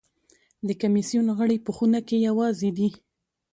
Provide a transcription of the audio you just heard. د کمېسیون غړي په خونه کې یوازې دي.